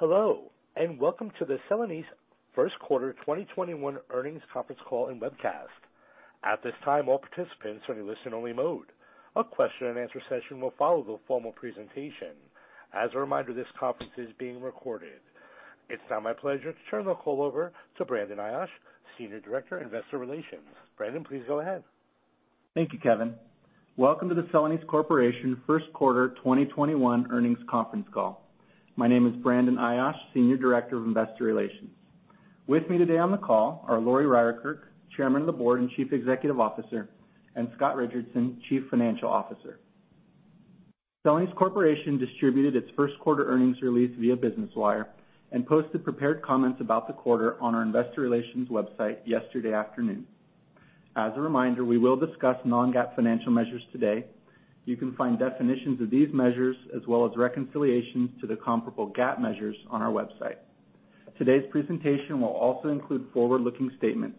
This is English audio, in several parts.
Hello, welcome to the Celanese Q1 2021 earnings conference call and webcast. At this time, all participants are in listen only mode. A question-and-answer session will follow the formal presentation. As a reminder, this conference is being recorded. It's now my pleasure to turn the call over to Brandon Ayache, Senior Director, Investor Relations. Brandon, please go ahead. Thank you, Kevin. Welcome to the Celanese Corporation Q1 2021 earnings conference call. My name is Brandon Ayache, Senior Director of Investor Relations. With me today on the call are Lori Ryerkerk, Chairman of the Board and Chief Executive Officer, and Scott Richardson, Chief Financial Officer. Celanese Corporation distributed its Q1 earnings release via Business Wire and posted prepared comments about the quarter on our investor relations website yesterday afternoon. As a reminder, we will discuss non-GAAP financial measures today. You can find definitions of these measures as well as reconciliations to the comparable GAAP measures on our website. Today's presentation will also include forward-looking statements.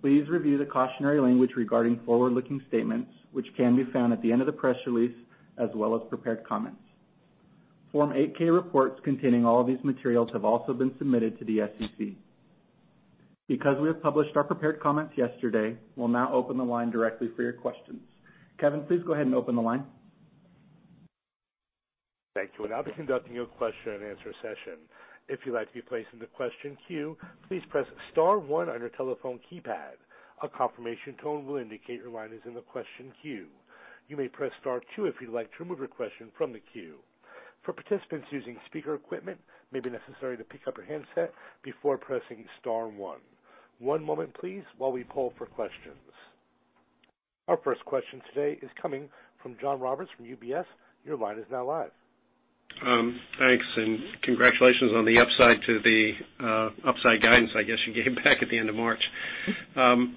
Please review the cautionary language regarding forward-looking statements, which can be found at the end of the press release, as well as prepared comments. Form 8-K reports containing all of these materials have also been submitted to the SEC. Because we have published our prepared comments yesterday, we'll now open the line directly for your questions. Kevin, please go ahead and open the line. Our first question today is coming from John Roberts from UBS. Your line is now live. Thanks, and congratulations on the upside to the upside guidance I guess you gave back at the end of March. Lori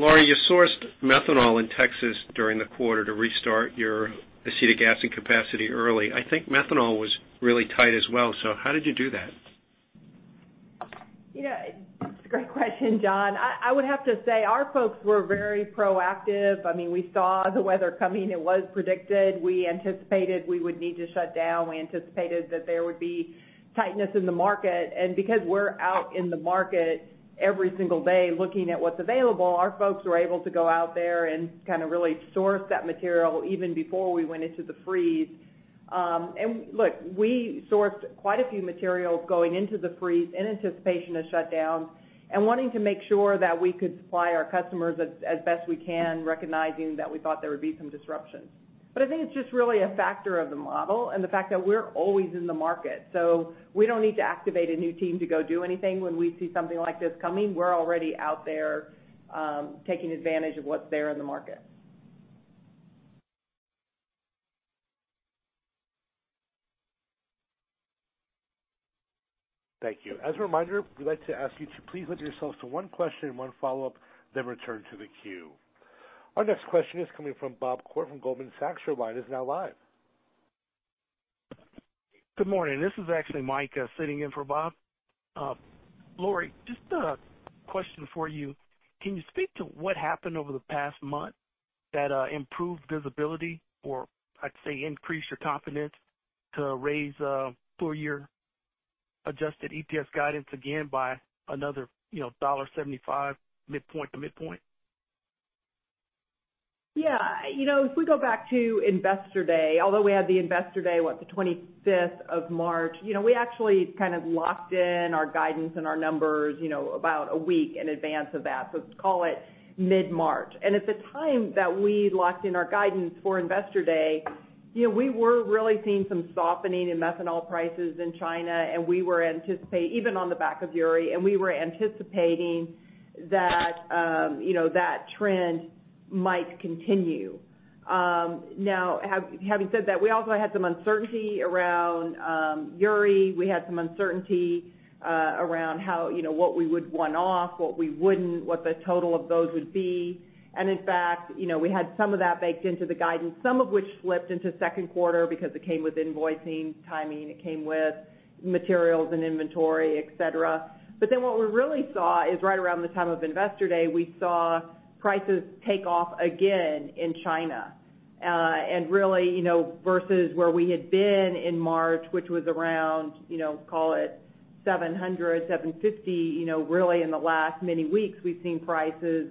Ryerkerk, you sourced methanol in Texas during the quarter to restart your acetic acid capacity early. I think methanol was really tight as well, so how did you do that? Yeah, it's a great question, John. I would have to say our folks were very proactive. We saw the weather coming. It was predicted. We anticipated we would need to shut down. We anticipated that there would be tightness in the market. Because we're out in the market every single day looking at what's available, our folks were able to go out there and really source that material even before we went into the freeze. Look, we sourced quite a few materials going into the freeze in anticipation of shutdowns and wanting to make sure that we could supply our customers as best we can, recognizing that we thought there would be some disruptions. I think it's just really a factor of the model and the fact that we're always in the market, so we don't need to activate a new team to go do anything when we see something like this coming. We're already out there taking advantage of what's there in the market. Thank you. As a reminder, we'd like to ask you to please limit yourselves to one question and one follow-up, then return to the queue. Our next question is coming from Bob Koort from Goldman Sachs. Your line is now live. Good morning. This is actually Mike sitting in for Bob. Lori, just a question for you. Can you speak to what happened over the past month that improved visibility or I'd say increased your confidence to raise full year adjusted EPS guidance again by another $1.75 midpoint to midpoint? Yeah. If we go back to Investor Day, although we had the Investor Day, what, the 25th of March? We actually kind of locked in our guidance and our numbers about one week in advance of that. Let's call it mid-March. At the time that we locked in our guidance for Investor Day, we were really seeing some softening in methanol prices in China, even on the back of Uri, and we were anticipating that trend might continue. Having said that, we also had some uncertainty around Uri. We had some uncertainty around what we would one-off, what we wouldn't, what the total of those would be. In fact, we had some of that baked into the guidance, some of which slipped into second quarter because it came with invoicing timing, it came with materials and inventory, et cetera. What we really saw is right around the time of Investor Day, we saw prices take off again in China. Really versus where we had been in March, which was around, call it 700, 750, really in the last many weeks, we've seen prices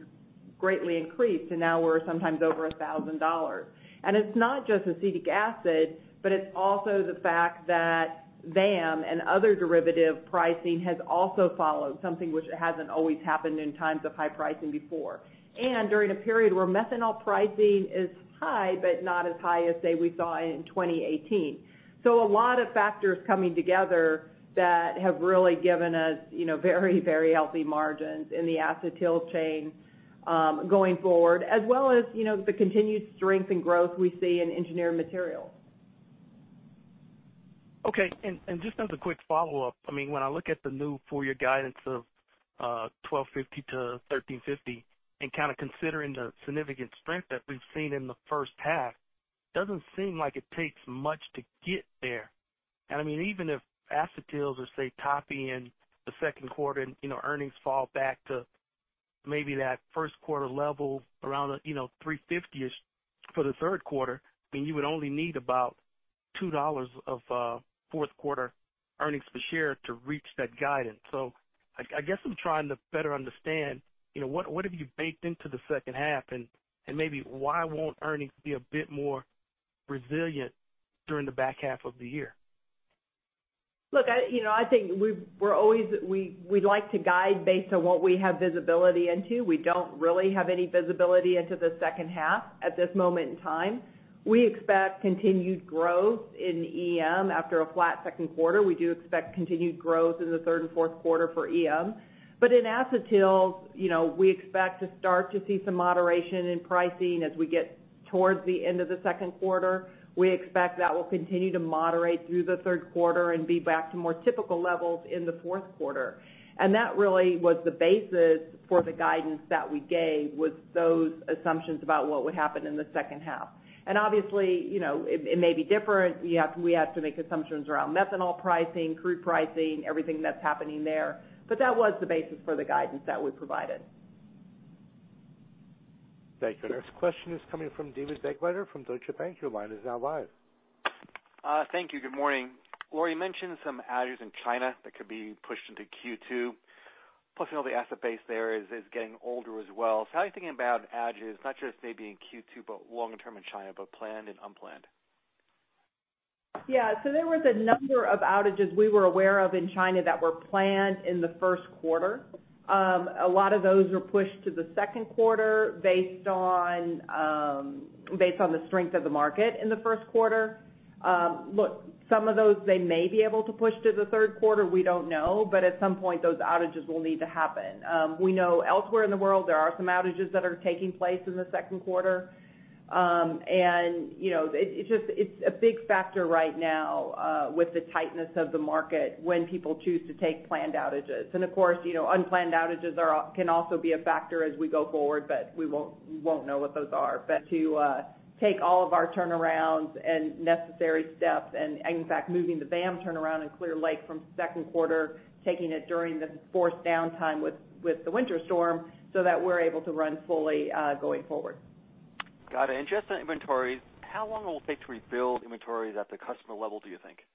greatly increase, and now we're sometimes over $1,000. It's not just acetic acid, but it's also the fact that VAM and other derivative pricing has also followed, something which hasn't always happened in times of high pricing before, and during a period where methanol pricing is high, but not as high as, say, we saw in 2018. A lot of factors coming together that have really given us very healthy margins in the acetyl chain going forward, as well as the continued strength and growth we see in engineered materials. Okay. Just as a quick follow-up, when I look at the new full year guidance of $12.50-$13.50, kind of considering the significant strength that we've seen in H1, doesn't seem like it takes much to get there. Even if acetyls are, say, top end the second quarter and earnings fall back to Maybe that Q1 level around $3.50-ish for Q3, you would only need about $2 of Q4 earnings per share to reach that guidance. I guess I'm trying to better understand what have you baked into the second half and maybe why won't earnings be a bit more resilient during the back half of the year? Look, I think we like to guide based on what we have visibility into. We don't really have any visibility into H2 at this moment in time. We expect continued growth in EM after a flat Q2. We do expect continued growth in Q3 and Q4 for EM. In acetyl, we expect to start to see some moderation in pricing as we get towards the end of Q2. We expect that will continue to moderate through Q3 and be back to more typical levels in Q4. That really was the basis for the guidance that we gave, was those assumptions about what would happen in H2. Obviously, it may be different. We have to make assumptions around methanol pricing, crude pricing, everything that's happening there. That was the basis for the guidance that we provided. Thank you. Our next question is coming from David Begleiter from Deutsche Bank. Your line is now live. Thank you. Good morning. Lori, you mentioned some outages in China that could be pushed into Q2. Plus, all the asset base there is getting older as well. How are you thinking about outages, not just maybe in Q2, but long-term in China, both planned and unplanned? Yeah. There was a number of outages we were aware of in China that were planned in Q1. A lot of those were pushed to Q2 based on the strength of the market in Q2. Look, some of those, they may be able to push to Q3. We don't know, but at some point, those outages will need to happen. We know elsewhere in the world, there are some outages that are taking place in Q2. It's a big factor right now with the tightness of the market when people choose to take planned outages. Of course, unplanned outages can also be a factor as we go forward, but we won't know what those are. To take all of our turnarounds and necessary steps, and in fact, moving the VAM turnaround in Clear Lake from Q2, taking it during this forced downtime with the Winter Storm, so that we're able to run fully going forward. Got it. Just on inventories, how long will it take to rebuild inventories at the customer level, do you think?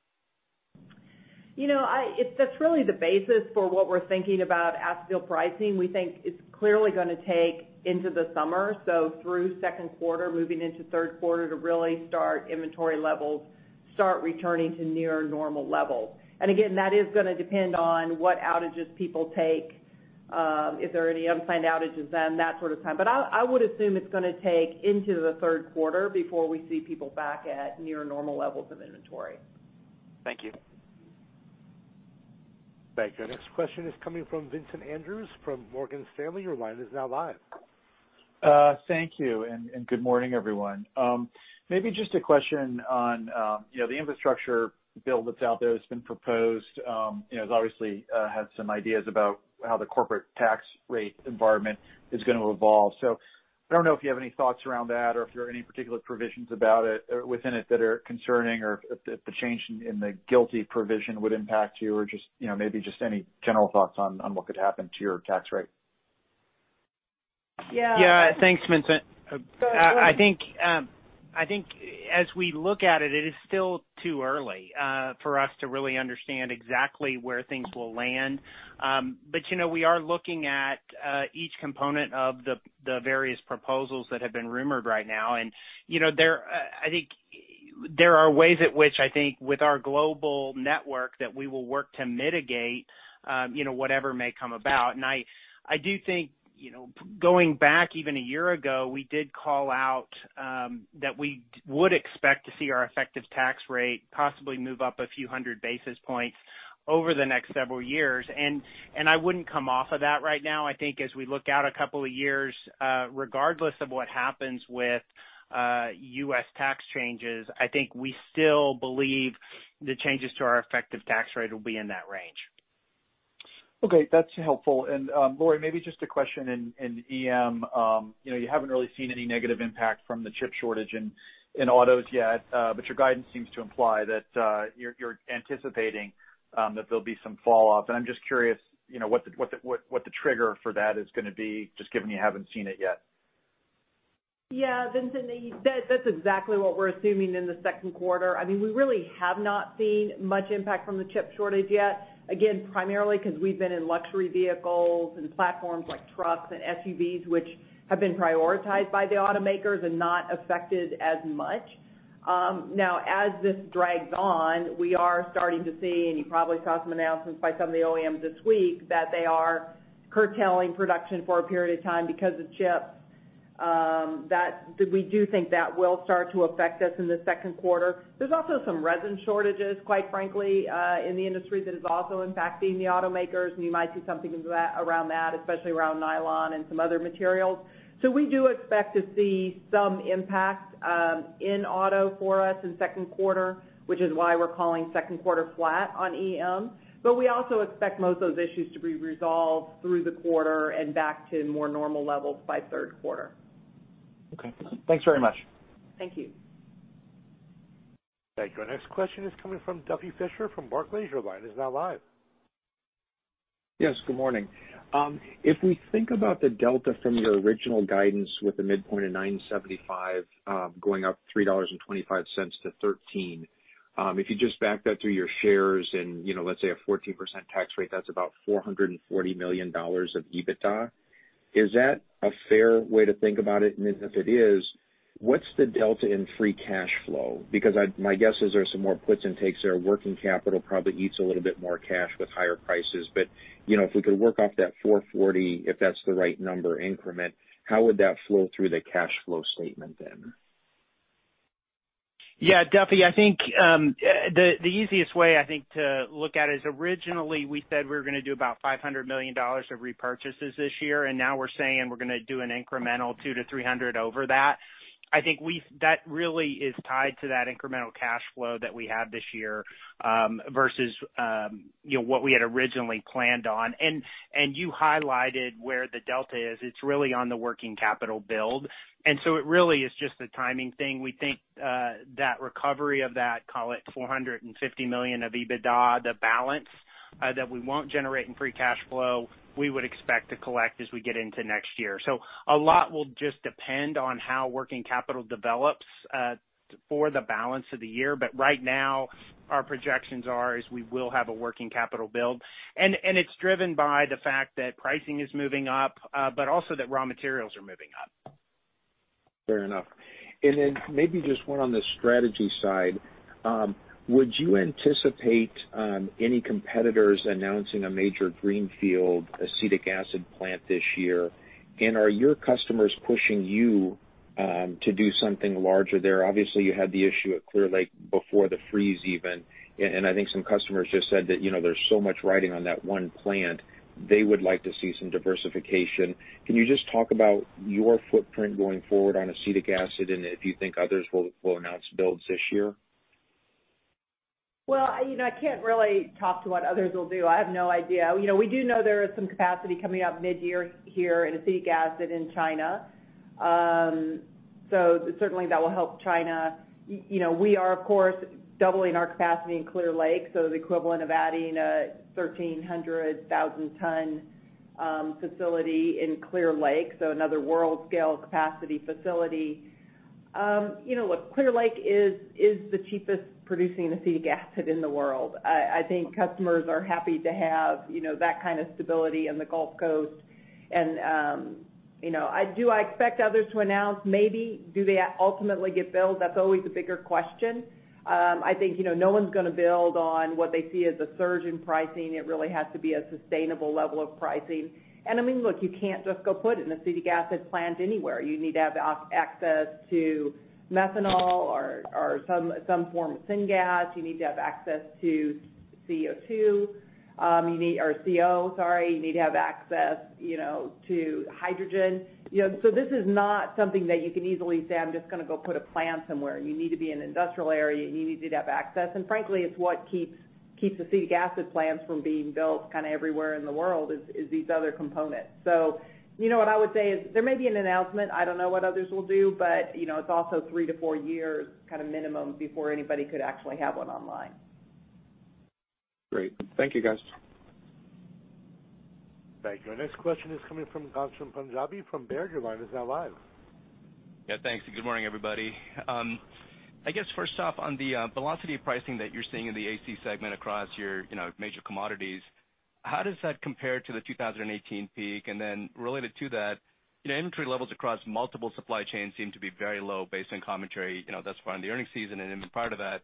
That's really the basis for what we're thinking about acetyl pricing. We think it's clearly going to take into the summer, so through Q2, moving into Q3 to really inventory levels start returning to near normal levels. Again, that is going to depend on what outages people take, if there are any unplanned outages then, that sort of time. I would assume it's going to take into Q3 before we see people back at near normal levels of inventory. Thank you. Thank you. Our next question is coming from Vincent Andrews from Morgan Stanley. Your line is now live. Thank you. Good morning, everyone. Maybe just a question on the infrastructure bill that's out there that's been proposed. It obviously has some ideas about how the corporate tax rate environment is going to evolve. I don't know if you have any thoughts around that or if there are any particular provisions within it that are concerning or if the change in the GILTI provision would impact you or just maybe just any general thoughts on what could happen to your tax rate. Yeah. Yeah. Thanks, Vincent. Go ahead, Shane. I think as we look at it is still too early for us to really understand exactly where things will land. We are looking at each component of the various proposals that have been rumored right now. I think there are ways at which I think with our global network that we will work to mitigate whatever may come about. I do think going back even a year ago, we did call out that we would expect to see our effective tax rate possibly move up a few hundred basis points over the next several years. I wouldn't come off of that right now. I think as we look out a couple of years, regardless of what happens with U.S. tax changes, I think we still believe the changes to our effective tax rate will be in that range. Okay. That's helpful. Lori, maybe just a question in EM. You haven't really seen any negative impact from the chip shortage in autos yet. Your guidance seems to imply that you're anticipating that there'll be some falloff. I'm just curious what the trigger for that is going to be, just given you haven't seen it yet. Yeah. Vincent, that's exactly what we're assuming in Q2. We really have not seen much impact from the chip shortage yet. Again, primarily because we've been in luxury vehicles and platforms like trucks and SUVs, which have been prioritized by the automakers and not affected as much. Now, as this drags on, we are starting to see, and you probably saw some announcements by some of the OEMs this week that they are curtailing production for a period of time because of chips. We do think that will start to affect us in Q2. There's also some resin shortages, quite frankly, in the industry that is also impacting the automakers, and you might see something around that, especially around nylon and some other materials. We do expect to see some impact in auto for us in Q2, which is why we're calling second quarter flat on EM. We also expect most of those issues to be resolved through the quarter and back to more normal levels by Q3. Okay. Thanks very much. Thank you. Thank you. Our next question is coming from Duffy Fischer from Barclays. Your line is now live. Yes, good morning. If we think about the delta from your original guidance with a midpoint of $9.75 going up $3.25 to 13, if you just back that through your shares and let's say a 14% tax rate, that's about $440 million of EBITDA. Is that a fair way to think about it? If it is, what's the delta in free cash flow? My guess is there's some more puts and takes there. Working capital probably eats a little bit more cash with higher prices. If we could work off that 440, if that's the right number increment, how would that flow through the cash flow statement then? Yeah, Duffy, the easiest way I think to look at it is originally we said we were going to do about $500 million of repurchases this year, and now we're saying we're going to do an incremental $200 million-$300 million over that. I think that really is tied to that incremental cash flow that we have this year, versus what we had originally planned on. You highlighted where the delta is. It's really on the working capital build. It really is just a timing thing. We think that recovery of that, call it $450 million of EBITDA, the balance that we won't generate in free cash flow, we would expect to collect as we get into next year. A lot will just depend on how working capital develops for the balance of the year. Right now our projections are is we will have a working capital build, and it's driven by the fact that pricing is moving up, but also that raw materials are moving up. Fair enough. Then maybe just one on the strategy side. Would you anticipate any competitors announcing a major greenfield acetic acid plant this year? Are your customers pushing you to do something larger there? Obviously, you had the issue at Clear Lake before the freeze even, and I think some customers just said that there's so much riding on that one plant. They would like to see some diversification. Can you just talk about your footprint going forward on acetic acid and if you think others will announce builds this year? Well, I can't really talk to what others will do. I have no idea. We do know there is some capacity coming up mid-year here in acetic acid in China. Certainly that will help China. We are of course doubling our capacity in Clear Lake, so the equivalent of adding a 1,300 thousand ton facility in Clear Lake. Another world scale capacity facility. Look, Clear Lake is the cheapest producing acetic acid in the world. I think customers are happy to have that kind of stability in the Gulf Coast. Do I expect others to announce? Maybe. Do they ultimately get built? That's always a bigger question. I think no one's going to build on what they see as a surge in pricing. It really has to be a sustainable level of pricing. Look, you can't just go put an acetic acid plant anywhere. You need to have access to methanol or some form of syngas. You need to have access to CO. You need to have access to hydrogen. This is not something that you can easily say, I'm just going to go put a plant somewhere. You need to be in an industrial area, and you need to have access. Frankly, it's what keeps acetic acid plants from being built kind of everywhere in the world, is these other components. You know what I would say is there may be an announcement. I don't know what others will do, but it's also three to four years kind of minimum before anybody could actually have one online. Great. Thank you, guys. Thank you. Our next question is coming from Ghansham Panjabi from Baird. Your line is now live. Yeah, thanks, and good morning, everybody. I guess first off, on the velocity of pricing that you're seeing in the AC segment across your major commodities, how does that compare to the 2018 peak? Related to that, inventory levels across multiple supply chains seem to be very low based on commentary thus far in the earnings season and in part of that.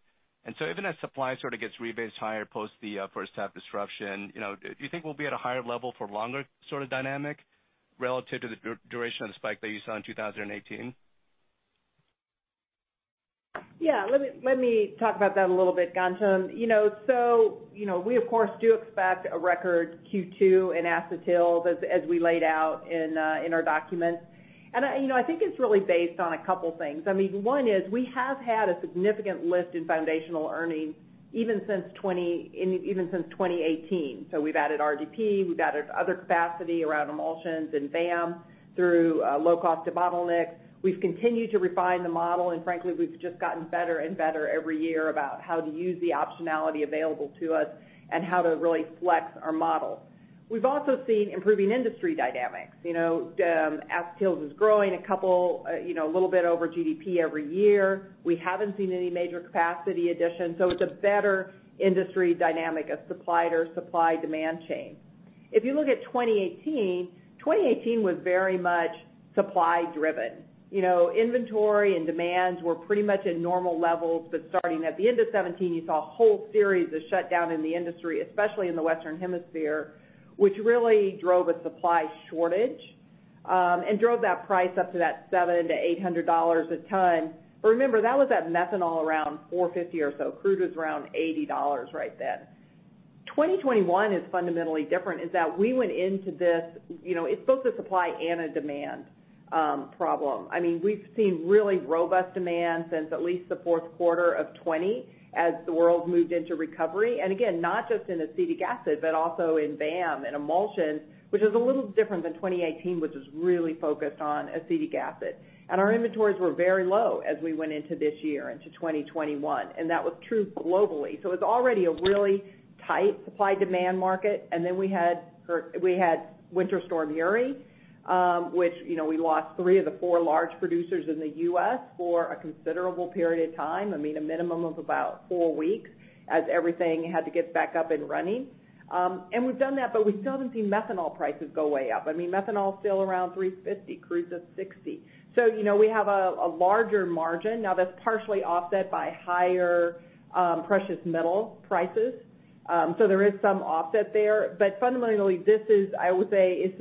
Even as supply sort of gets rebased higher post the first half disruption, do you think we'll be at a higher level for longer sort of dynamic relative to the duration of the spike that you saw in 2018? Yeah, let me talk about that a little bit, Ghansham. We of course do expect a record Q2 in acetyls as we laid out in our documents. I think it's really based on a couple things. One is we have had a significant lift in foundational earnings, even since 2018. We've added RDP, we've added other capacity around emulsions and VAM through low cost debottleneck. We've continued to refine the model, frankly, we've just gotten better and better every year about how to use the optionality available to us and how to really flex our model. We've also seen improving industry dynamics. Acetyls is growing a little bit over GDP every year. We haven't seen any major capacity additions, it's a better industry dynamic of supplier supply demand chain. If you look at 2018 was very much supply driven. Inventory and demands were pretty much at normal levels, Starting at the end of 2017, you saw a whole series of shutdown in the industry, especially in the Western Hemisphere, which really drove a supply shortage, and drove that price up to that $700-$800 a ton. Remember, that was at methanol around $450 or so. Crude was around $80 right then. 2021 is fundamentally different in that we went into this, it's both a supply and a demand problem. We've seen really robust demand since at least Q4 of 2020 as the world moved into recovery. Again, not just in acetic acid, but also in VAM and emulsions, which is a little different than 2018, which was really focused on acetic acid. Our inventories were very low as we went into this year, into 2021, and that was true globally. It's already a really tight supply-demand market. Then we had Winter Storm Uri, which we lost three of the four large producers in the U.S. for a considerable period of time, a minimum of about four weeks, as everything had to get back up and running. We've done that, but we still haven't seen methanol prices go way up. Methanol is still around $350, crude's at $60. We have a larger margin. Now, that's partially offset by higher precious metal prices. There is some offset there. Fundamentally, this is, I would say,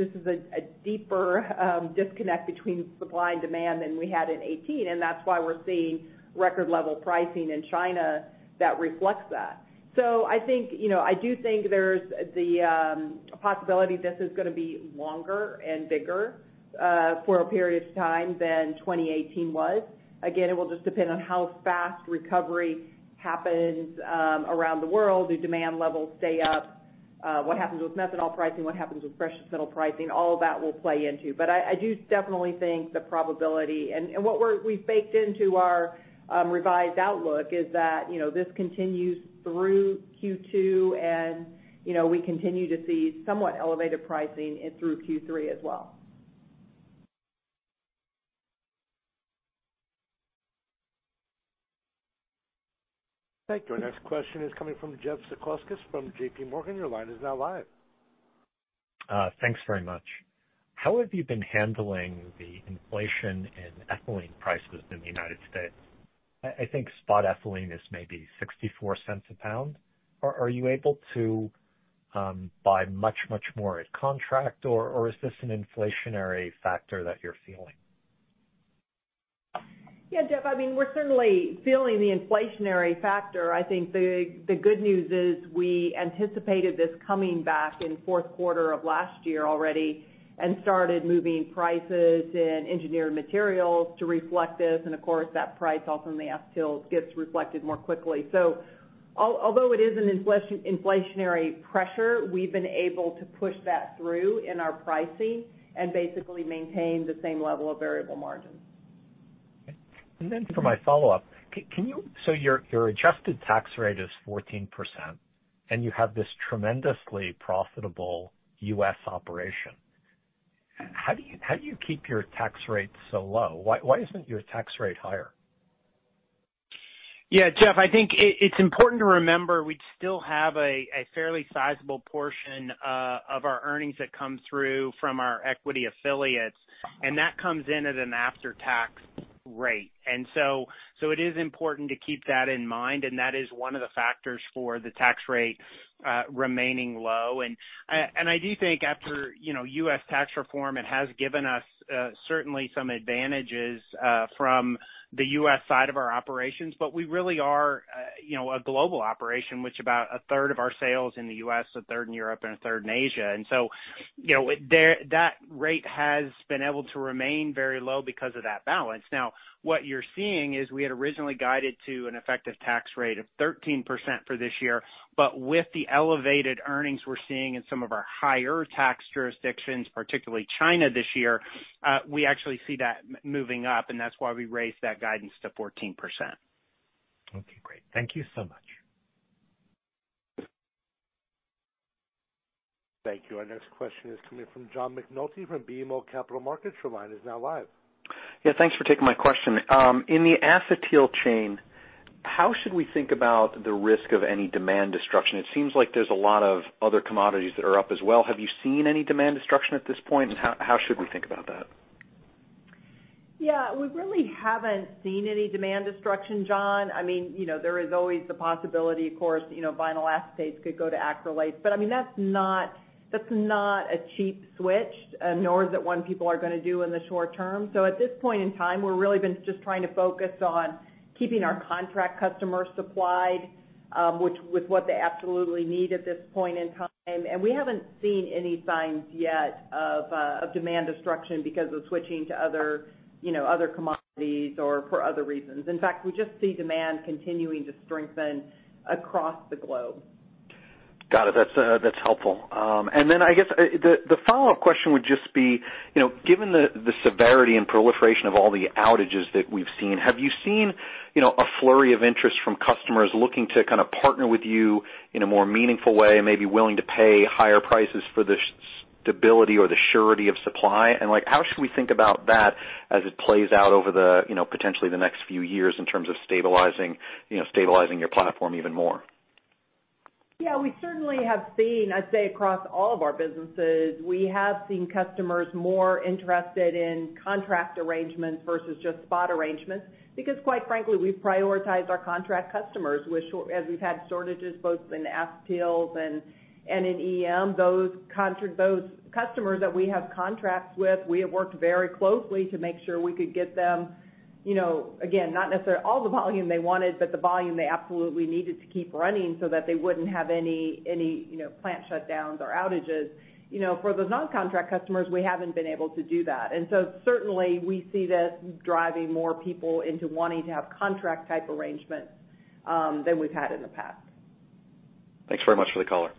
a deeper disconnect between supply and demand than we had in 2018, and that's why we're seeing record-level pricing in China that reflects that. I do think there's the possibility this is going to be longer and bigger for a period of time than 2018 was. It will just depend on how fast recovery happens around the world. Do demand levels stay up? What happens with methanol pricing? What happens with precious metal pricing? All of that will play into. I do definitely think the probability, and what we've baked into our revised outlook is that this continues through Q2, and we continue to see somewhat elevated pricing through Q3 as well. Thank you. Our next question is coming from Jeffrey Zekauskas from JPMorgan. Your line is now live. Thanks very much. How have you been handling the inflation in ethylene prices in the United States? I think spot ethylene is maybe $0.64 a pound. Are you able to buy much more at contract, or is this an inflationary factor that you're feeling? Yeah, Jeffrey, we're certainly feeling the inflationary factor. I think the good news is we anticipated this coming back in Q4 of last year already and started moving prices in engineered materials to reflect this. Of course, that price off in the acetyl gets reflected more quickly. Although it is an inflationary pressure, we've been able to push that through in our pricing and basically maintain the same level of variable margins. Okay. For my follow-up. Your adjusted tax rate is 14%, and you have this tremendously profitable U.S. operation. How do you keep your tax rate so low? Why isn't your tax rate higher? Yeah, Jeff, I think it's important to remember we still have a fairly sizable portion of our earnings that come through from our equity affiliates, and that comes in at an after-tax rate. It is important to keep that in mind, and that is one of the factors for the tax rate remaining low. I do think after U.S. tax reform, it has given us certainly some advantages from the U.S. side of our operations. We really are a global operation, with about a third of our sales in the U.S., a third in Europe, and a third in Asia. That rate has been able to remain very low because of that balance. What you're seeing is we had originally guided to an effective tax rate of 13% for this year, with the elevated earnings we're seeing in some of our higher tax jurisdictions, particularly China this year, we actually see that moving up, and that's why we raised that guidance to 14%. Okay, great. Thank you so much. Thank you. Our next question is coming from John McNulty from BMO Capital Markets. Your line is now live. Yeah, thanks for taking my question. In the acetyl chain, how should we think about the risk of any demand destruction? It seems like there's a lot of other commodities that are up as well. Have you seen any demand destruction at this point, and how should we think about that? Yeah, we really haven't seen any demand destruction, John. There is always the possibility, of course, vinyl acetate could go to acrylates. That's not a cheap switch. Nor is it one people are going to do in the short term. At this point in time, we've really been just trying to focus on keeping our contract customers supplied with what they absolutely need at this point in time. We haven't seen any signs yet of demand destruction because of switching to other commodities or for other reasons. In fact, we just see demand continuing to strengthen across the globe. Got it. That's helpful. I guess the follow-up question would just be, given the severity and proliferation of all the outages that we've seen, have you seen a flurry of interest from customers looking to kind of partner with you in a more meaningful way and may be willing to pay higher prices for the stability or the surety of supply? How should we think about that as it plays out over potentially the next few years in terms of stabilizing your platform even more? Yeah, we certainly have seen, I'd say across all of our businesses, we have seen customers more interested in contract arrangements versus just spot arrangements because quite frankly, we prioritize our contract customers. As we've had shortages both in acetyls and in EM, those customers that we have contracts with, we have worked very closely to make sure we could get them. Again, not necessarily all the volume they wanted, but the volume they absolutely needed to keep running so that they wouldn't have any plant shutdowns or outages. For those non-contract customers, we haven't been able to do that. Certainly, we see this driving more people into wanting to have contract type arrangements, than we've had in the past. Thanks very much for the caller.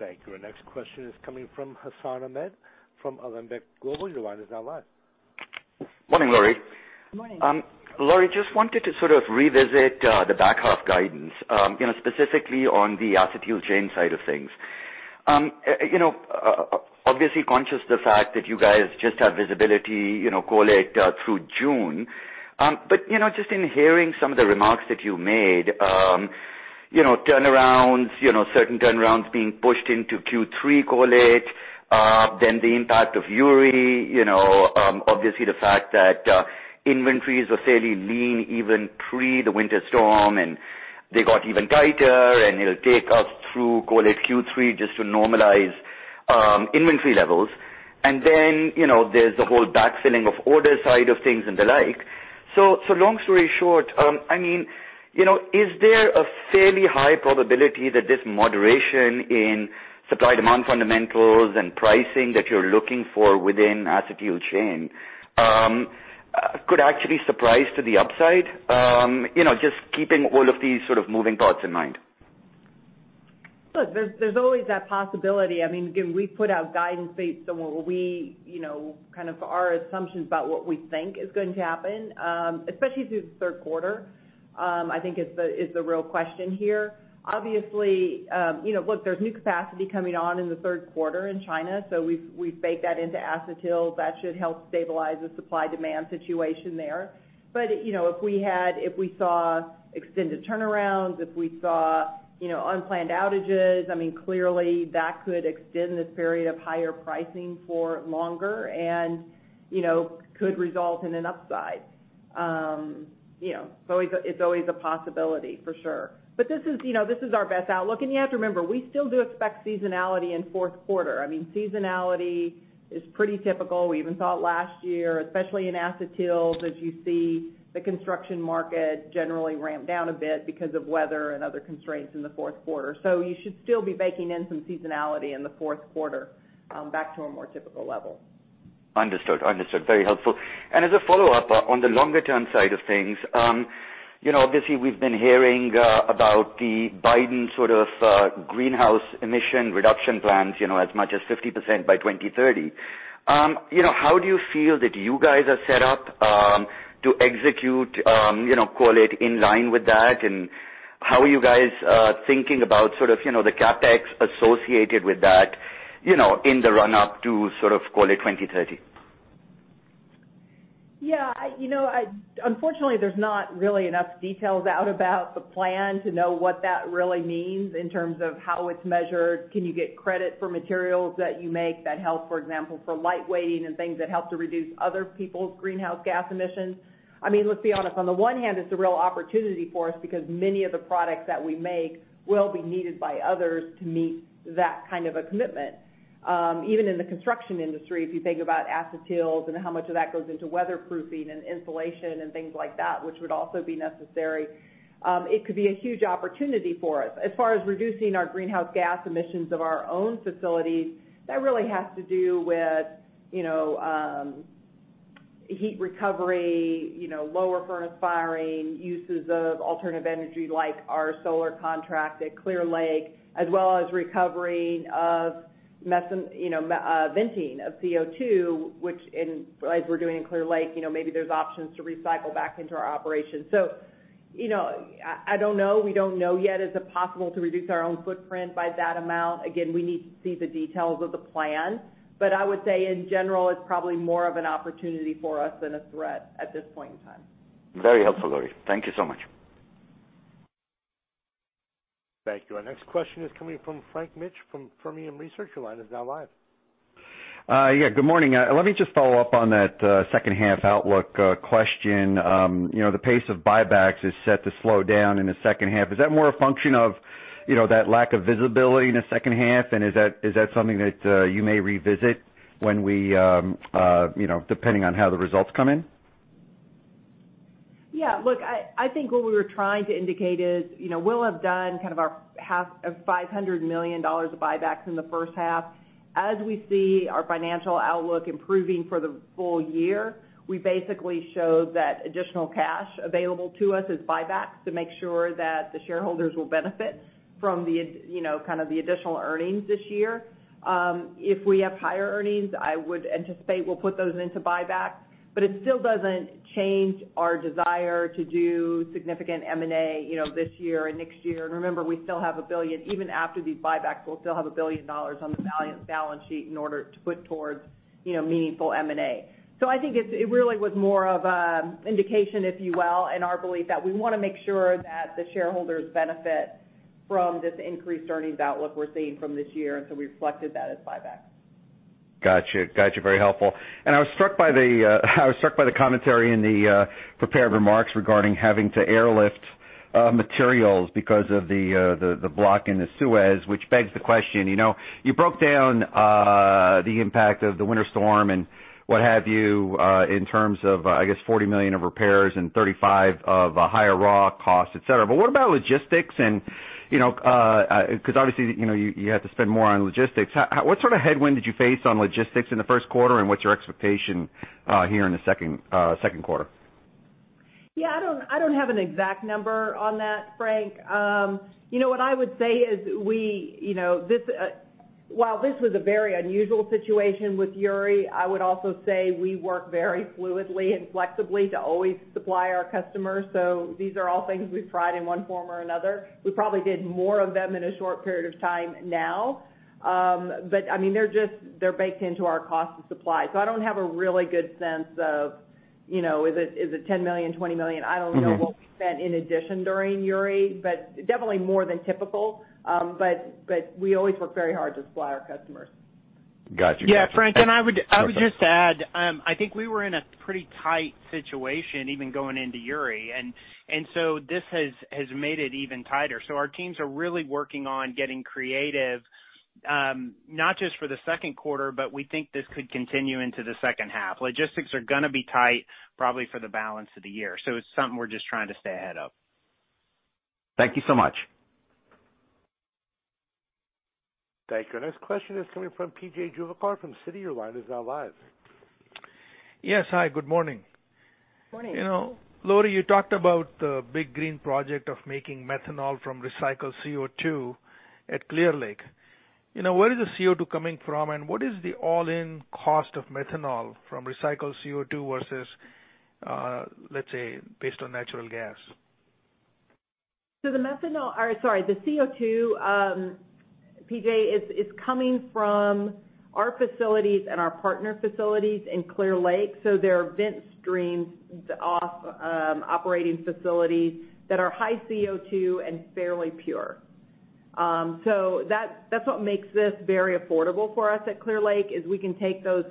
Thank you. Our next question is coming from Hassan Ahmed from Alembic Global. Your line is now live. Morning, Lori. Morning. Lori, just wanted to sort of revisit the back half guidance, specifically on the acetyl chain side of things. Obviously conscious the fact that you guys just have visibility, call it, through June. Just in hearing some of the remarks that you made, turnarounds, certain turnarounds being pushed into Q3, call it. The impact of Uri, obviously the fact that inventories were fairly lean even pre the winter storm, and they got even tighter and it'll take us through, call it Q3, just to normalize inventory levels. There's the whole backfilling of orders side of things and the like. Long story short, is there a fairly high probability that this moderation in supply demand fundamentals and pricing that you're looking for within acetyl chain, could actually surprise to the upside, just keeping all of these sort of moving parts in mind? Look, there's always that possibility. We put out guidance based on kind of our assumptions about what we think is going to happen, especially through Q3, I think is the real question here. There's new capacity coming on in Q3 in China, we've baked that into acetyl. That should help stabilize the supply demand situation there. If we saw extended turnarounds, if we saw unplanned outages, clearly that could extend this period of higher pricing for longer and could result in an upside. It's always a possibility for sure. This is our best outlook. You have to remember, we still do expect seasonality in Q4. Seasonality is pretty typical. We even saw it last year, especially in acetyls, as you see the construction market generally ramp down a bit because of weather and other constraints in Q4. You should still be baking in some seasonality in the fourth quarter, back to a more typical level. Understood. Very helpful. As a follow-up on the longer term side of things, obviously we've been hearing about the Biden sort of greenhouse emission reduction plans, as much as 50% by 2030. How do you feel that you guys are set up, to execute, call it in line with that? How are you guys thinking about sort of the CapEx associated with that, in the run up to sort of call it 2030? Yeah. Unfortunately, there's not really enough details out about the plan to know what that really means in terms of how it's measured. Can you get credit for materials that you make that help, for example, for light-weighting and things that help to reduce other people's greenhouse gas emissions? Let's be honest, on the one hand, it's a real opportunity for us because many of the products that we make will be needed by others to meet that kind of a commitment. Even in the construction industry, if you think about acetyls and how much of that goes into weatherproofing and insulation and things like that, which would also be necessary, it could be a huge opportunity for us. As far as reducing our greenhouse gas emissions of our own facilities, that really has to do with heat recovery, lower furnace firing, uses of alternative energy like our solar contract at Clear Lake, as well as recovery of venting of CO2, which as we're doing in Clear Lake, maybe there's options to recycle back into our operation. I don't know. We don't know yet. Is it possible to reduce our own footprint by that amount? Again, we need to see the details of the plan. I would say in general, it's probably more of an opportunity for us than a threat at this point in time. Very helpful, Lori. Thank you so much. Thank you. Our next question is coming from Frank Mitsch from Fermium Research. Your line is now live. Yeah. Good morning. Let me just follow up on that H2 outlook question. The pace of buybacks is set to slow down in H2. Is that more a function of that lack of visibility in H2, and is that something that you may revisit depending on how the results come in? Yeah, look, I think what we were trying to indicate is, we'll have done kind of our half of $500 million of buybacks in H1. We see our financial outlook improving for the full year, we basically showed that additional cash available to us is buybacks to make sure that the shareholders will benefit from kind of the additional earnings this year. If we have higher earnings, I would anticipate we'll put those into buybacks, but it still doesn't change our desire to do significant M&A this year and next year. Remember, even after these buybacks, we'll still have $1 billion on the balance sheet in order to put towards meaningful M&A. I think it really was more of an indication, if you will, in our belief that we want to make sure that the shareholders benefit from this increased earnings outlook we're seeing from this year, and so we reflected that as buybacks. Got you. Very helpful. I was struck by the commentary in the prepared remarks regarding having to airlift materials because of the block in the Suez, which begs the question. You broke down the impact of Winter Storm Uri and what have you, in terms of, I guess, $40 million of repairs and $35 of higher raw costs, et cetera. What about logistics? Because obviously, you had to spend more on logistics. What sort of headwind did you face on logistics in Q1, and what's your expectation here in Q2? Yeah. I don't have an exact number on that, Frank. What I would say is while this was a very unusual situation with Uri, I would also say we work very fluidly and flexibly to always supply our customers. These are all things we've tried in one form or another. We probably did more of them in a short period of time now. They're baked into our cost of supply. I don't have a really good sense of, is it $10 million, $20 million? I don't know what we spent in addition during Uri, but definitely more than typical. We always work very hard to supply our customers. Got you. Yeah, Frank, I would just add, I think we were in a pretty tight situation even going into Uri. This has made it even tighter. Our teams are really working on getting creative, not just for Q2, but we think this could continue into H2. Logistics are going to be tight probably for the balance of the year. It's something we're just trying to stay ahead of. Thank you so much. Thank you. Our next question is coming from P.J. Juvekar from Citi. Your line is now live. Yes. Hi, good morning. Morning. Lori, you talked about the big green project of making methanol from recycled CO2 at Clear Lake. Where is the CO2 coming from, and what is the all-in cost of methanol from recycled CO2 versus, let's say, based on natural gas? The CO2, P.J., is coming from our facilities and our partner facilities in Clear Lake. They're vent streams off operating facilities that are high CO2 and fairly pure. That's what makes this very affordable for us at Clear Lake, is we can take those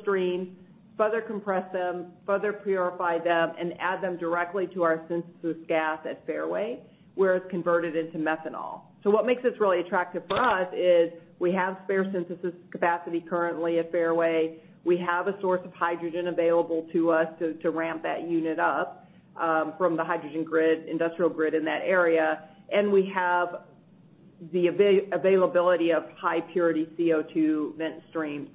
streams, further compress them, further purify them, and add them directly to our synthesis gas at Fairway, where it's converted into methanol. What makes this really attractive for us is we have spare synthesis capacity currently at Fairway. We have a source of hydrogen available to us to ramp that unit up from the hydrogen industrial grid in that area. And we have the availability of high-purity CO2 vent streams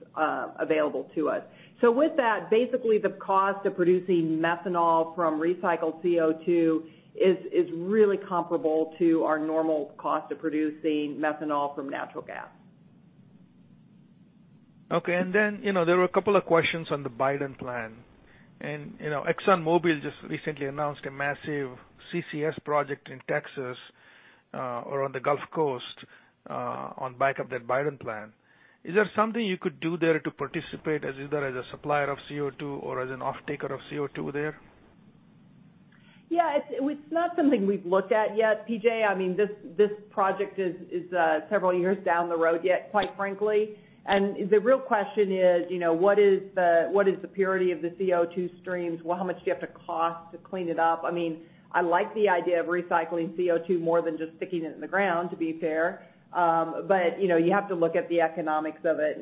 available to us. With that, basically, the cost of producing methanol from recycled CO2 is really comparable to our normal cost of producing methanol from natural gas. Okay. There were a couple of questions on the Biden plan. ExxonMobil just recently announced a massive CCS project in Texas or on the Gulf Coast on the back of that Biden plan. Is there something you could do there to participate as either as a supplier of CO2 or as an offtaker of CO2 there? Yeah. It's not something we've looked at yet, P.J. This project is several years down the road yet, quite frankly. The real question is, what is the purity of the CO2 streams? How much do you have to cost to clean it up? I like the idea of recycling CO2 more than just sticking it in the ground, to be fair. You have to look at the economics of it.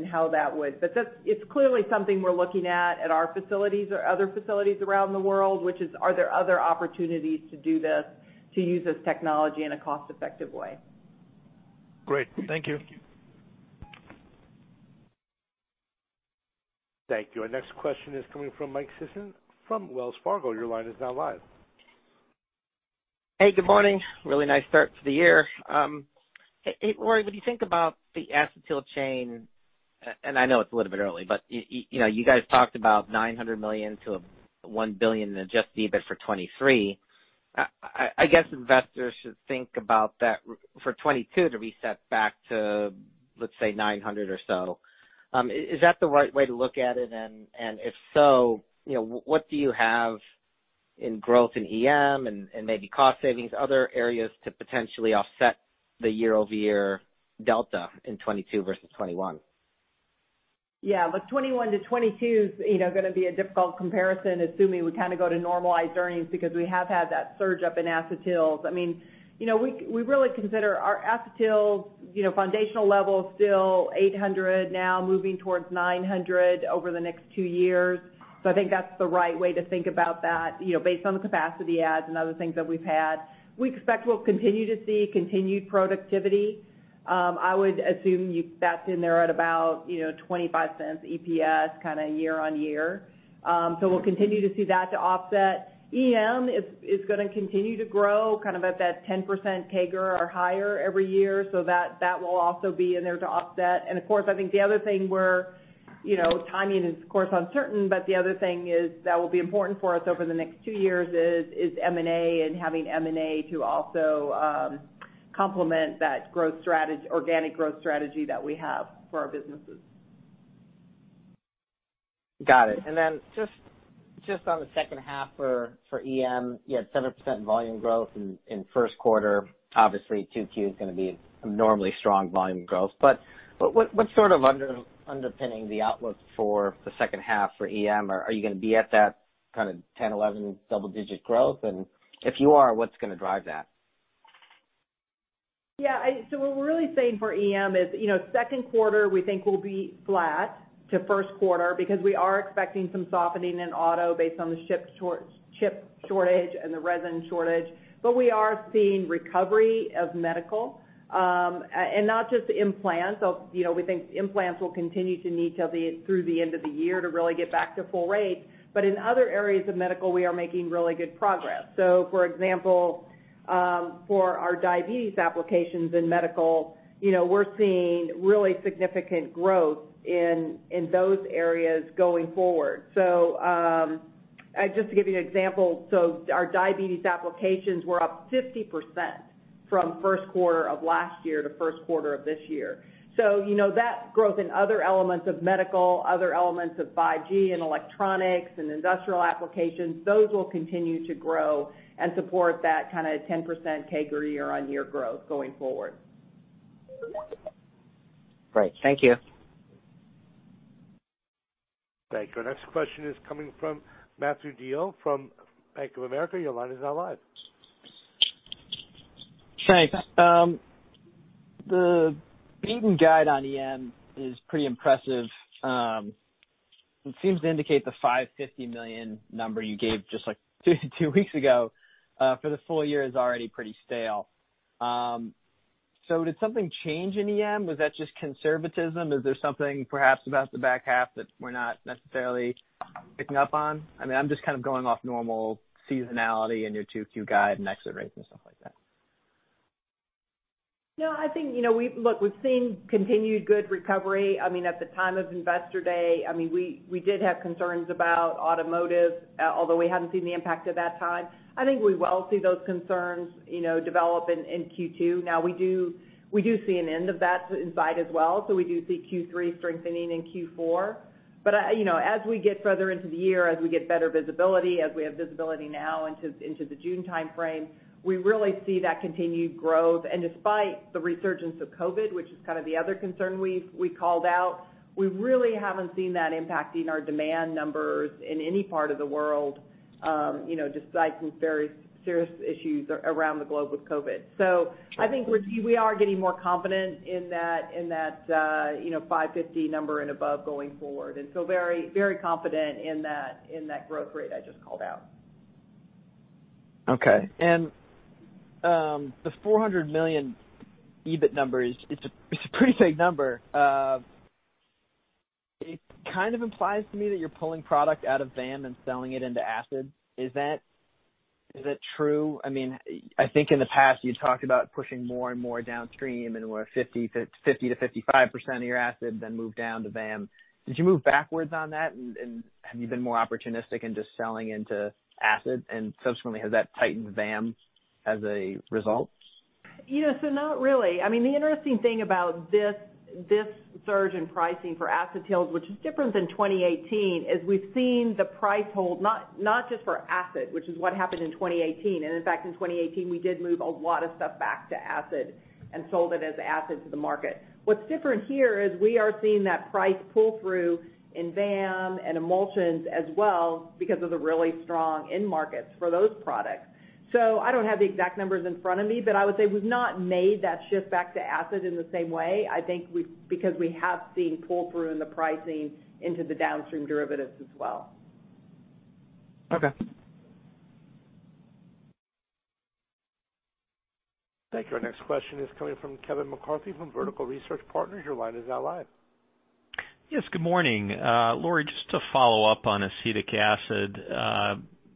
It's clearly something we're looking at at our facilities or other facilities around the world, which is, are there other opportunities to do this, to use this technology in a cost-effective way? Great. Thank you. Thank you. Our next question is coming from Mike Sison from Wells Fargo. Your line is now live. Hey, good morning. Really nice start to the year. Lori, when you think about the acetyl chain, and I know it's a little bit early, but you guys talked about $900 million to $1 billion in adjusted EBIT for 2023. I guess investors should think about that for 2022 to reset back to, let's say, 900 or so. Is that the right way to look at it? If so, what do you have in growth in EM and maybe cost savings, other areas to potentially offset the year-over-year delta in 2022 versus 2021? 2021 - 2022 is going to be a difficult comparison, assuming we go to normalized earnings because we have had that surge up in acetyls. We really consider our acetyl foundational level still 800, now moving towards 900 over the next two years. I think that's the right way to think about that based on the capacity adds and other things that we've had. We expect we'll continue to see continued productivity. I would assume that's in there at about $0.25 EPS year-over-year. We'll continue to see that to offset. EM is going to continue to grow at that 10% CAGR or higher every year. That will also be in there to offset. Of course, I think the other thing we're timing is of course uncertain, but the other thing that will be important for us over the next two years is M&A and having M&A to also complement that organic growth strategy that we have for our businesses. Got it. Just on H2 for EM, you had 7% volume growth in first quarter. Obviously, 2Q is going to be abnormally strong volume growth. What's sort of underpinning the outlook for H2 for EM? Are you going to be at that kind of 10, 11 double-digit growth? If you are, what's going to drive that? What we're really saying for EM is, Q2 we think will be flat to Q1 because we are expecting some softening in auto based on the chip shortage and the resin shortage. We are seeing recovery of medical, and not just implants. We think implants will continue to need till through the end of the year to really get back to full rate. In other areas of medical, we are making really good progress. For example, for our diabetes applications in medical, we're seeing really significant growth in those areas going forward. Just to give you an example, our diabetes applications were up 50% from first quarter of last year to Q1 of this year. That growth in other elements of medical, other elements of 5G and electronics and industrial applications, those will continue to grow and support that kind of 10% CAGR year-on-year growth going forward. Great. Thank you. Thank you. Our next question is coming from Matthew DeYoe from Bank of America. Your line is now live. Thanks. The beaten guide on EM is pretty impressive. It seems to indicate the $550 million number you gave just two weeks ago, for the full year is already pretty stale. Did something change in EM? Was that just conservatism? Is there something perhaps about the back half that we're not necessarily picking up on? I'm just kind of going off normal seasonality and your two Q guide and exit rates and stuff like that. I think, look, we've seen continued good recovery. At the time of Investor Day, we did have concerns about automotive, although we hadn't seen the impact at that time. I think we will see those concerns develop in Q2. We do see an end of that in sight as well. We do see Q3 strengthening in Q4. As we get further into the year, as we get better visibility, as we have visibility now into the June timeframe, we really see that continued growth. Despite the resurgence of COVID, which is kind of the other concern we called out, we really haven't seen that impacting our demand numbers in any part of the world, despite some very serious issues around the globe with COVID. I think we are getting more confident in that 550 number and above going forward. Very confident in that growth rate I just called out. Okay. The $400 million EBIT number is, it's a pretty big number. It kind of implies to me that you're pulling product out of VAM and selling it into acid. Is that true? I think in the past you talked about pushing more and more downstream and where 50%-55% of your acid then moved down to VAM. Did you move backwards on that and have you been more opportunistic in just selling into acid, and subsequently, has that tightened VAM as a result? Not really. The interesting thing about this surge in pricing for acetyls, which is different than 2018, is we've seen the price hold, not just for acid, which is what happened in 2018. In fact, in 2018, we did move a lot of stuff back to acid and sold it as acid to the market. What's different here is we are seeing that price pull through in VAM and emulsions as well because of the really strong end markets for those products. I don't have the exact numbers in front of me, but I would say we've not made that shift back to acid in the same way. I think because we have seen pull through in the pricing into the downstream derivatives as well. Okay. Thank you. Our next question is coming from Kevin McCarthy from Vertical Research Partners. Your line is now live. Yes, good morning. Lori, just to follow up on acetic acid.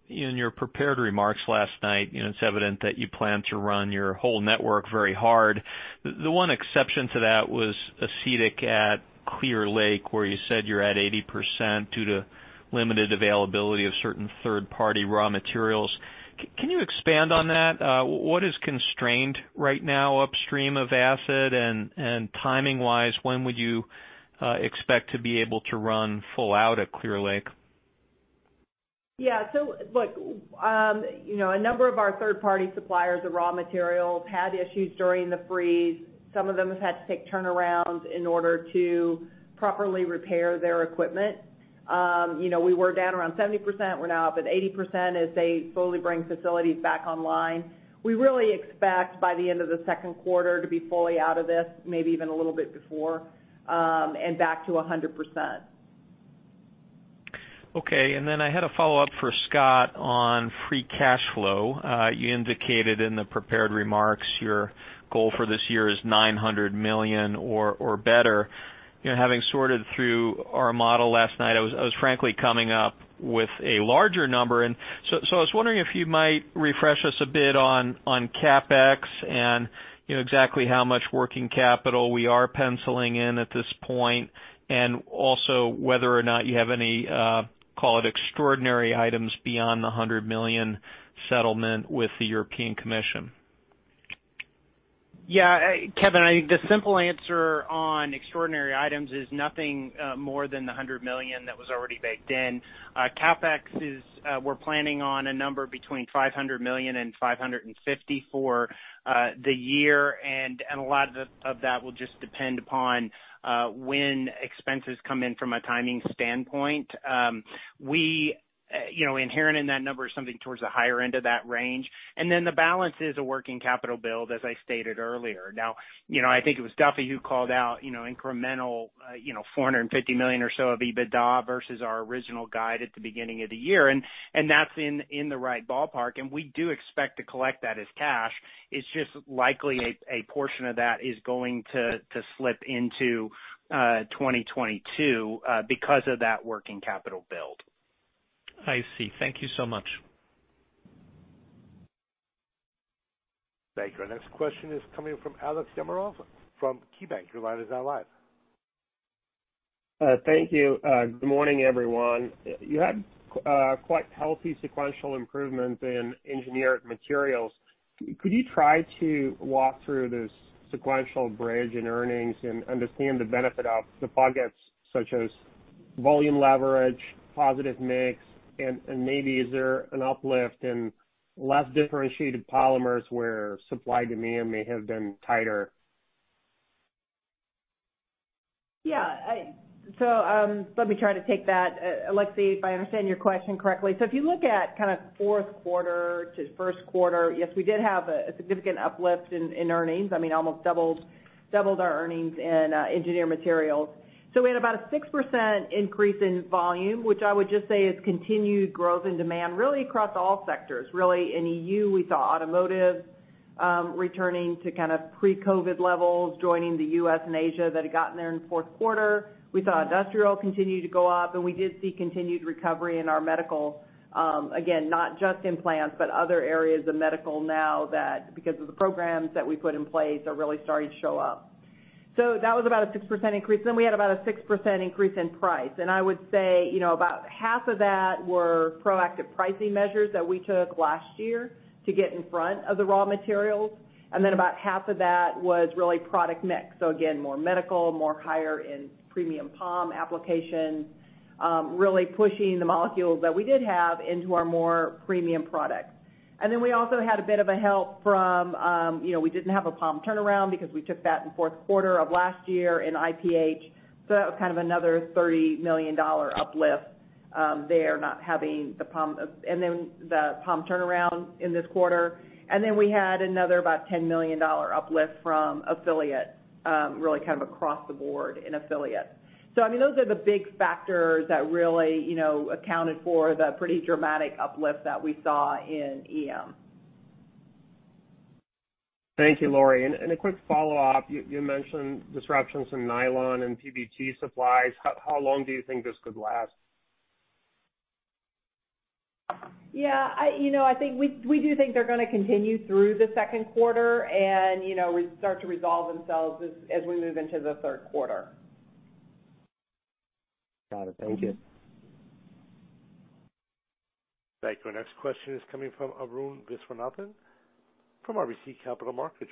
In your prepared remarks last night, it's evident that you plan to run your whole network very hard. The one exception to that was acetic at Clear Lake, where you said you're at 80% due to limited availability of certain third-party raw materials. Can you expand on that? What is constrained right now upstream of acid? Timing-wise, when would you expect to be able to run full out at Clear Lake? Yeah. Look, a number of our third-party suppliers of raw materials had issues during the freeze. Some of them have had to take turnarounds in order to properly repair their equipment. We were down around 70%, we're now up at 80% as they slowly bring facilities back online. We really expect by the end of Q2 to be fully out of this, maybe even a little bit before, and back to 100%. Okay. I had a follow-up for Scott on free cash flow. You indicated in the prepared remarks your goal for this year is $900 million or better. Having sorted through our model last night, I was frankly coming up with a larger number. I was wondering if you might refresh us a bit on CapEx and exactly how much working capital we are penciling in at this point, and also whether or not you have any, call it extraordinary items beyond the $100 million settlement with the European Commission. Yeah, Kevin, I think the simple answer on extraordinary items is nothing more than the $100 million that was already baked in. CapEx is, we're planning on a number between $500 million and $550 million for the year, and a lot of that will just depend upon when expenses come in from a timing standpoint. Inherent in that number is something towards the higher end of that range. The balance is a working capital build, as I stated earlier. I think it was Duffy who called out incremental $450 million or so of EBITDA versus our original guide at the beginning of the year, and that's in the right ballpark, and we do expect to collect that as cash. It's just likely a portion of that is going to slip into 2022 because of that working capital build. I see. Thank you so much. Thank you. Our next question is coming from Aleksey Yefremov from KeyBanc Capital Markets. Your line is now live. Thank you. Good morning, everyone. You had quite healthy sequential improvements in Engineered Materials. Could you try to walk through this sequential bridge in earnings and understand the benefit of the buckets such as volume leverage, positive mix, and maybe is there an uplift in less differentiated polymers where supply-demand may have been tighter? Let me try to take that, Alex, if I understand your question correctly. If you look at kind of fourth quarter to Q1, yes, we did have a significant uplift in earnings. Almost doubled our earnings in engineered materials. We had about a 6% increase in volume, which I would just say is continued growth in demand, really across all sectors. Really in E.U., we saw automotive returning to kind of pre-COVID levels, joining the U.S. and Asia that had gotten there in Q4. We saw industrial continue to go up, and we did see continued recovery in our medical, again, not just implants, but other areas of medical now that, because of the programs that we put in place, are really starting to show up. That was about a 6% increase. We had about a 6% increase in price, and I would say, about half of that were proactive pricing measures that we took last year to get in front of the raw materials, and about half of that was really product mix. Again, more medical, more higher-end premium POM applications, really pushing the molecules that we did have into our more premium products. We also had a bit of a help from, we didn't have a POM turnaround because we took that in fourth quarter of last year in IPH. That was kind of another $30 million uplift there, not having the POM turnaround in this quarter. We had another about $10 million uplift from affiliate, really kind of across the board in affiliate. Those are the big factors that really accounted for the pretty dramatic uplift that we saw in EM. Thank you, Lori. A quick follow-up. You mentioned disruptions in nylon and PBT supplies. How long do you think this could last? Yeah. We do think they're going to continue through the second quarter and start to resolve themselves as we move into the third quarter. Got it. Thank you. Thank you. Our next question is coming from Arun Viswanathan from RBC Capital Markets.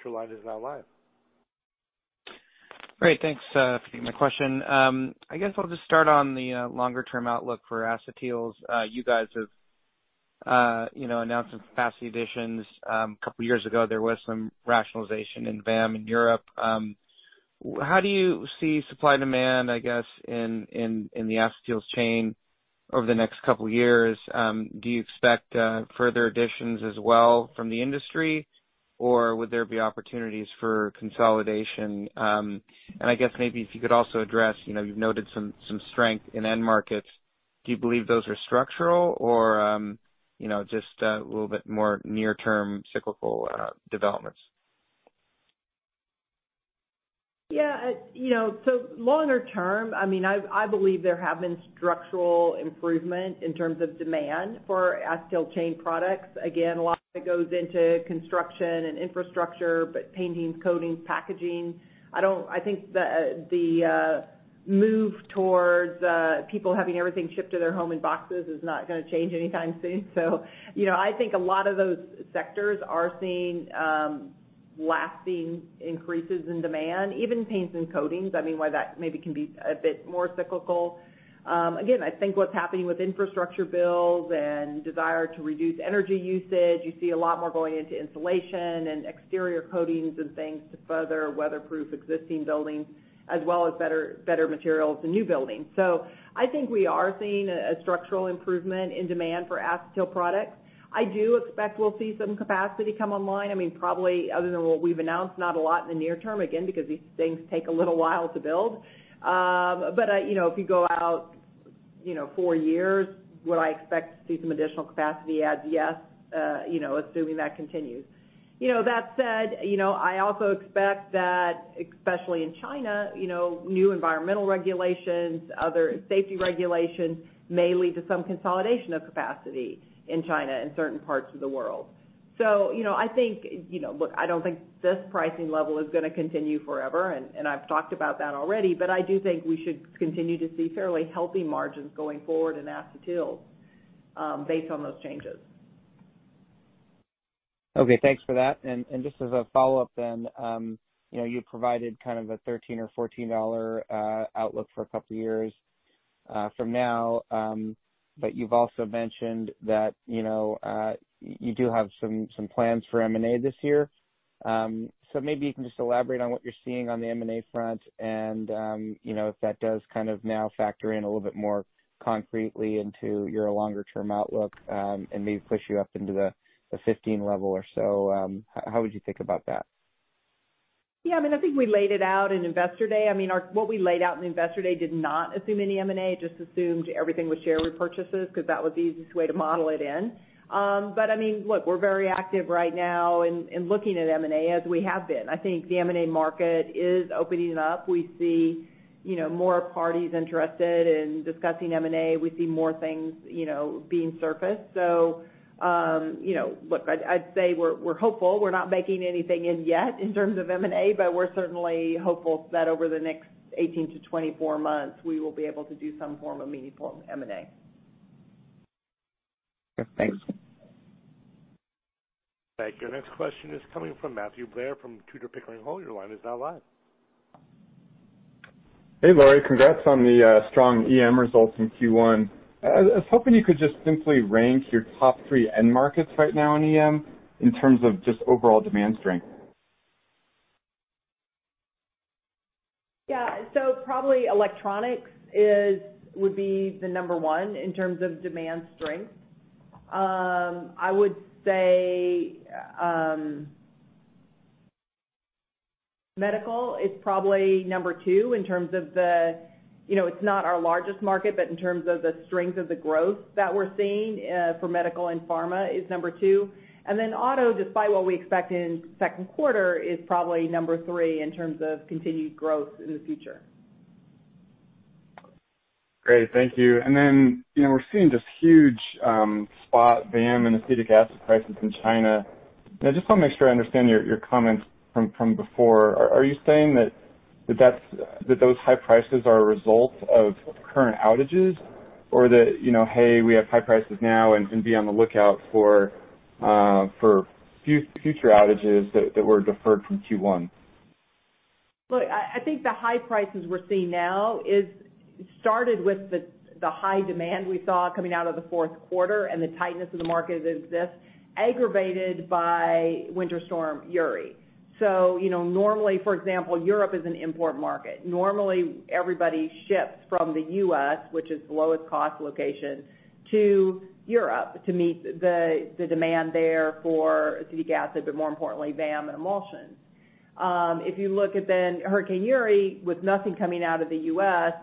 Great. Thanks for taking my question. I guess I'll just start on the longer-term outlook for acetyls. You guys have announced some capacity additions. A couple of years ago, there was some rationalization in VAM in Europe. How do you see supply and demand, I guess, in the acetyls chain over the next couple of years? Do you expect further additions as well from the industry, or would there be opportunities for consolidation? I guess maybe if you could also address, you've noted some strength in end markets. Do you believe those are structural or just a little bit more near-term cyclical developments? Yeah. Longer term, I believe there have been structural improvement in terms of demand for acetyl chain products. Again, a lot of it goes into construction and infrastructure, but paintings, coatings, packaging. I think the move towards people having everything shipped to their home in boxes is not going to change anytime soon. I think a lot of those sectors are seeing lasting increases in demand, even paints and coatings, while that maybe can be a bit more cyclical. Again, I think what's happening with infrastructure bills and desire to reduce energy usage, you see a lot more going into insulation and exterior coatings and things to further weatherproof existing buildings, as well as better materials in new buildings. I think we are seeing a structural improvement in demand for acetyl products. I do expect we'll see some capacity come online. Probably other than what we've announced, not a lot in the near term, again, because these things take a little while to build. If you go out four years, would I expect to see some additional capacity adds? Yes, assuming that continues. That said, I also expect that, especially in China, new environmental regulations, other safety regulations may lead to some consolidation of capacity in China and certain parts of the world. I don't think this pricing level is going to continue forever, and I've talked about that already, but I do think we should continue to see fairly healthy margins going forward in acetyls based on those changes. Okay, thanks for that. Just as a follow-up then, you've provided kind of a $13 or $14 outlook for a couple years from now. You've also mentioned that you do have some plans for M&A this year. Maybe you can just elaborate on what you're seeing on the M&A front and if that does kind of now factor in a little bit more concretely into your longer-term outlook, and maybe push you up into the 15 level or so. How would you think about that? Yeah, I think we laid it out in Investor Day. What we laid out in Investor Day did not assume any M&A, it just assumed everything was share repurchases, because that was the easiest way to model it in. Look, we're very active right now in looking at M&A as we have been. I think the M&A market is opening up. We see more parties interested in discussing M&A. We see more things being surfaced. Look, I'd say we're hopeful. We're not baking anything in yet in terms of M&A, but we're certainly hopeful that over the next 18 - 24 months, we will be able to do some form of meaningful M&A. Thanks. Thank you. Our next question is coming from Matthew Blair from Tudor, Pickering, Holt. Your line is now live. Hey, Lori. Congrats on the strong EM results in Q1. I was hoping you could just simply rank your top three end markets right now in EM in terms of just overall demand strength. Yeah. Probably electronics would be the number one in terms of demand strength. I would say medical is probably number two in terms of It's not our largest market, but in terms of the strength of the growth that we're seeing for medical and pharma is number two. Auto, despite what we expect in the second quarter, is probably number three in terms of continued growth in the future. Great. Thank you. We're seeing just huge spot VAM and acetic acid prices in China. I just want to make sure I understand your comments from before. Are you saying that those high prices are a result of current outages or that, Hey, we have high prices now and be on the lookout for future outages that were deferred from Q1? Look, I think the high prices we're seeing now started with the high demand we saw coming out of Q4, and the tightness of the market as it exists, aggravated by Winter Storm Uri. Normally, for example, Europe is an import market. Normally, everybody ships from the U.S., which is the lowest cost location, to Europe to meet the demand there for acetic acid, but more importantly, VAM and emulsions. If you look at then Winter Storm Uri, with nothing coming out of the U.S.,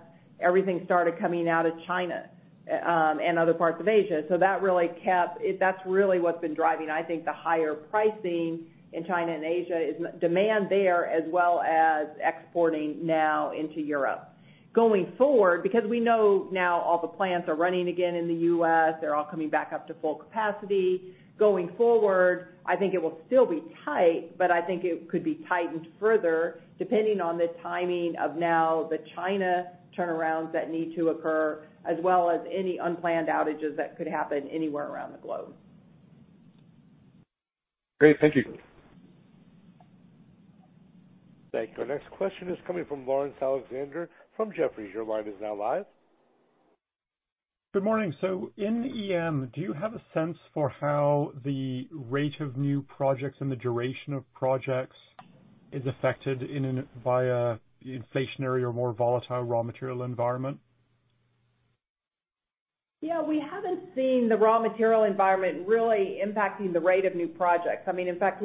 everything started coming out of China and other parts of Asia. That's really what's been driving, I think, the higher pricing in China and Asia is demand there as well as exporting now into Europe. Going forward, because we know now all the plants are running again in the U.S., they're all coming back up to full capacity. Going forward, I think it will still be tight, but I think it could be tightened further depending on the timing of now the China turnarounds that need to occur, as well as any unplanned outages that could happen anywhere around the globe. Great. Thank you. Thank you. Our next question is coming from Laurence Alexander from Jefferies. Your line is now live. Good morning. In EM, do you have a sense for how the rate of new projects and the duration of projects is affected via inflationary or more volatile raw material environment? Yeah. We haven't seen the raw material environment really impacting the rate of new projects. In fact,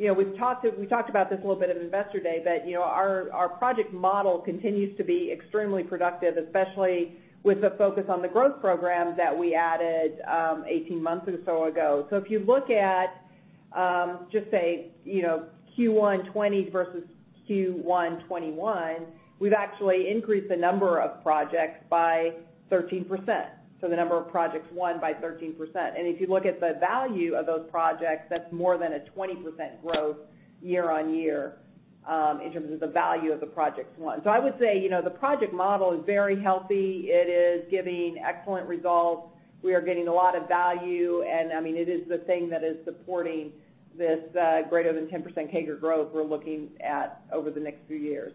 we talked about this a little bit at Investor Day, but our project model continues to be extremely productive, especially with the focus on the growth program that we added 18 months or so ago. If you look at, just say, Q1 2020 versus Q1 2021, we've actually increased the number of projects by 13%. The number of projects won by 13%. If you look at the value of those projects, that's more than a 20% growth year-on-year in terms of the value of the projects won. I would say, the project model is very healthy. It is giving excellent results. We are getting a lot of value, and it is the thing that is supporting this greater than 10% CAGR growth we're looking at over the next few years.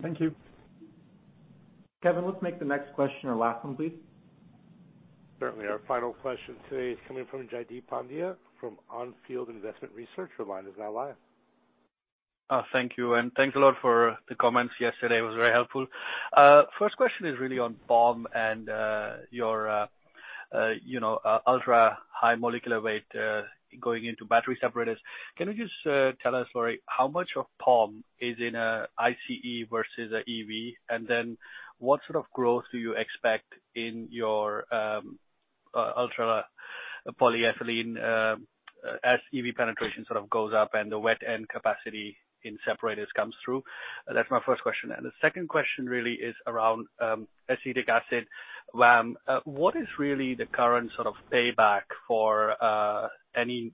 Thank you. Kevin, let's make the next question our last one, please. Certainly. Our final question today is coming from Jaideep Pandya from On Field Investment Research. Your line is now live. Thank you, and thanks a lot for the comments yesterday. It was very helpful. First question is really on POM and your ultra-high molecular weight going into battery separators. Can you just tell us, Lori, how much of POM is in ICE versus EV? Then what sort of growth do you expect in your ultra polyethylene as EV penetration sort of goes up and the wet end capacity in separators comes through? That's my first question. The second question really is around acetic acid VAM. What is really the current sort of payback for any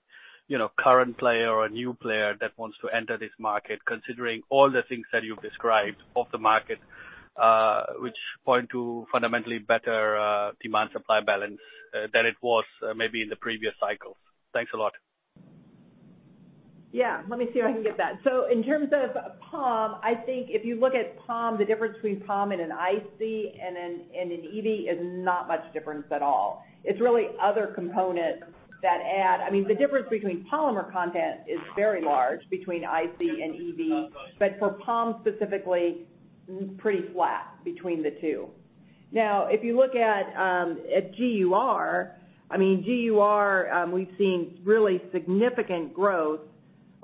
current player or new player that wants to enter this market, considering all the things that you've described off the market, which point to fundamentally better demand-supply balance than it was maybe in the previous cycles? Thanks a lot. Let me see if I can get that. In terms of POM, I think if you look at POM, the difference between POM and an ICE and an EV is not much difference at all. It's really other components that add. The difference between polymer content is very large between IC and EV, but for POM specifically, pretty flat between the two. If you look at GUR, we've seen really significant growth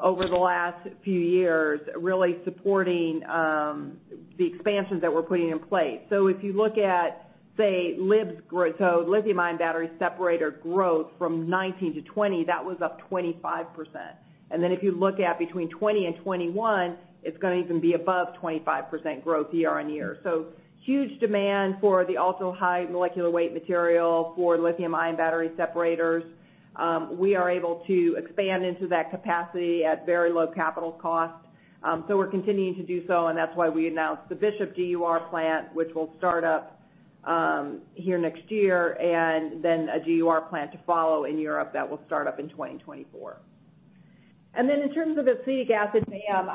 over the last few years, really supporting the expansions that we're putting in place. If you look at, say, LIBs, lithium-ion battery separator growth from 2019 - 2020, that was up 25%. If you look at between 2020 and 2021, it's going to even be above 25% growth year-on-year. Huge demand for the ultra-high molecular weight material for lithium-ion battery separators. We are able to expand into that capacity at very low capital cost. We're continuing to do so, and that's why we announced the Bishop GUR plant, which will start up here next year, and then a GUR plant to follow in Europe that will start up in 2024. In terms of acetic acid and VAM,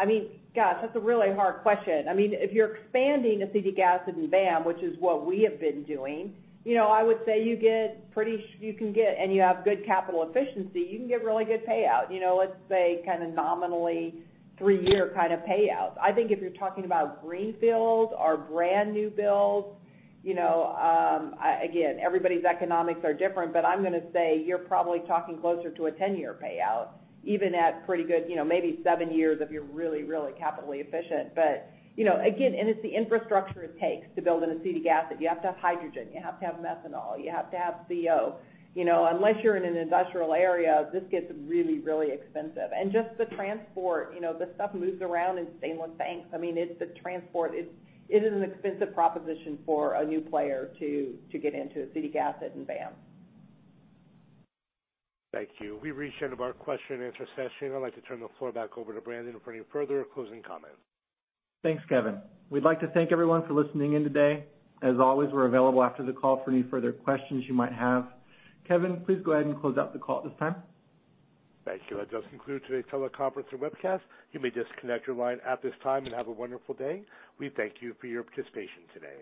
gosh, that's a really hard question. If you're expanding acetic acid and VAM, which is what we have been doing, I would say you can get, and you have good capital efficiency, you can get really good payout. Let's say nominally three-year kind of payouts. I think if you're talking about greenfields or brand-new builds, again, everybody's economics are different, but I'm going to say you're probably talking closer to a 10-year payout, even at pretty good, maybe seven years if you're really, really capitally efficient. Again, and it's the infrastructure it takes to build an acetic acid. You have to have hydrogen, you have to have methanol, you have to have CO. Unless you're in an industrial area, this gets really, really expensive. Just the transport, the stuff moves around in stainless tanks. The transport, it is an expensive proposition for a new player to get into acetic acid and VAM. Thank you. We've reached the end of our question-and-answer session. I'd like to turn the floor back over to Brandon for any further closing comments. Thanks, Kevin. We'd like to thank everyone for listening in today. As always, we're available after the call for any further questions you might have. Kevin, please go ahead and close out the call at this time. Thank you. That does conclude today's teleconference and webcast. You may disconnect your line at this time, and have a wonderful day. We thank you for your participation today.